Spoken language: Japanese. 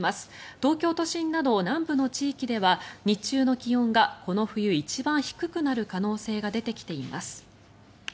東京都心など南部の地域では日中の気温がこの冬一番低くなる可能性が出てきています。